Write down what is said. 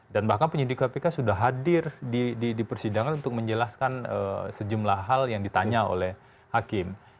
dan bahkan penyidik kpk sudah hadir di persidangan untuk menjelaskan sejumlah hal yang ditanya oleh hakim